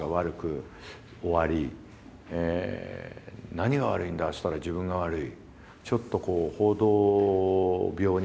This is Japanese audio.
何が悪いんだっつったら自分が悪い。